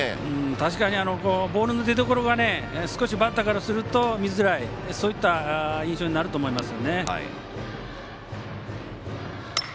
確かにボールの出どころは少しバッターからすると見づらい印象になると思います。